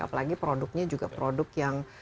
apalagi produknya juga produk yang